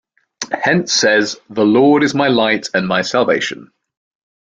Hence says: The Lord is my light and my salvation.